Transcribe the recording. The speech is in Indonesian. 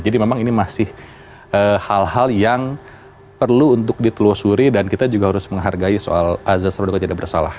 jadi memang ini masih hal hal yang perlu untuk ditelusuri dan kita juga harus menghargai soal azad sardwajidah bersalah